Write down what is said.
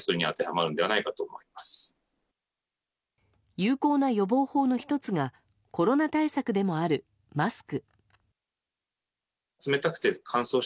有効な予防法の１つがコロナ対策でもあるマスク。